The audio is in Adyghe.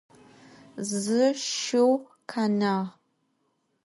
Zı şşıu khenağ.